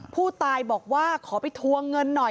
ผู้ตายบอกว่าขอไปทวงเงินหน่อย